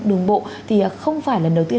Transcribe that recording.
đường bộ thì không phải là lần đầu tiên